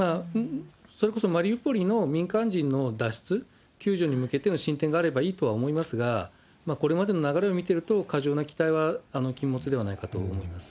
それこそマリウポリの民間人の脱出、救助に向けての進展があればいいとは思いますが、これまでの流れを見てると、過剰な期待は禁物ではないかと思います。